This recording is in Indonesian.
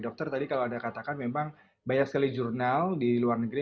dokter tadi kalau anda katakan memang banyak sekali jurnal di luar negeri